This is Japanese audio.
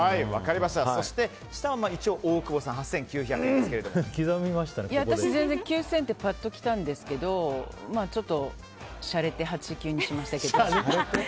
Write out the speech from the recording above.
そして、大久保さん８９００円ですけども私、全然９０００ってぱっときたんですけどちょっとしゃれて８９にしましたけど。